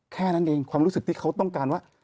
แค่นั้นเองความรู้สึกที่เขาต้องการว่า